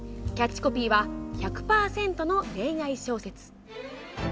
キャッチコピーは「１００％の恋愛小説」。